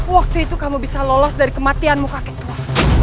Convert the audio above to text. waktu itu kamu bisa lolos dari kematianmu kakitua